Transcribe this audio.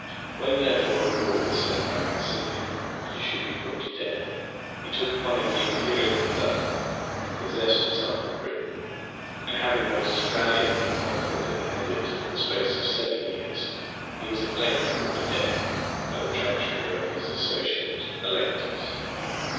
When, therefore, an order was sent by Maximian that he should be put to death, he took upon him the imperial purple, and possessed himself of Britain, and having most valiantly conquered and held it for the space of seven years, he was at length put to death by the treachery of his associate Allectus.